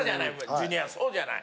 ジュニアそうじゃない？